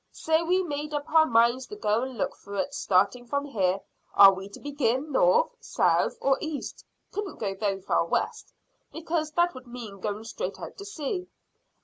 Say we made up our minds to go and look for it, starting from here, are we to begin north, south, or east? Couldn't go very far west, because that would mean going straight out to sea."